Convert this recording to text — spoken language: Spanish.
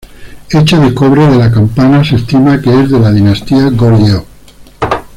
Hecha de cobre de la campana se estima que es de la dinastía Goryeo.